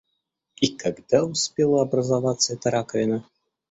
И когда успела образоваться эта раковина?